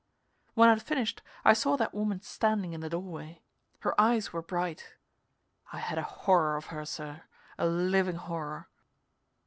When I'd finished, I saw that woman standing in the doorway. Her eyes were bright. I had a horror of her, sir, a living horror.